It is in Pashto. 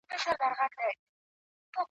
وږي پړانګ غرڅه له لیري وو لیدلی !.